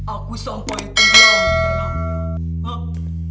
aku sampai terang